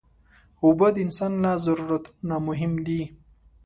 اوبه د انسان له ضرورتونو نه مهم دي.